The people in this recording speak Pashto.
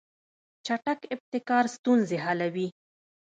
چټک ابتکار ستونزې حلوي.